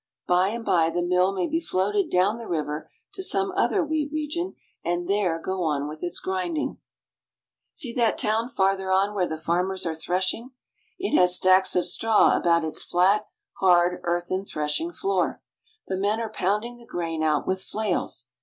By and by the mill may be floated down the river to some other wheat region, and there go on with its grinding. 304 SERVIA, BULGARIA, AND ROUMANIA. See that town farther on where the farmers are thresh ing. It has stacks of straw about its flat, hard, earthen threshing floor. The men are pounding the grain out with flails.